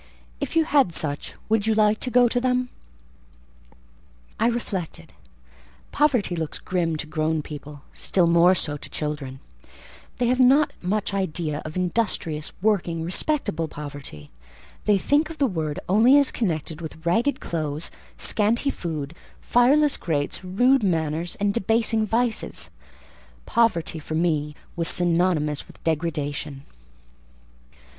"If you had such, would you like to go to them?" I reflected. Poverty looks grim to grown people; still more so to children: they have not much idea of industrious, working, respectable poverty; they think of the word only as connected with ragged clothes, scanty food, fireless grates, rude manners, and debasing vices: poverty for me was synonymous with degradation.